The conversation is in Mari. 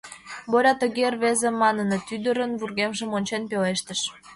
Боря, тыге рвезым маныныт, ӱдырын вургемжым ончен пелештыш: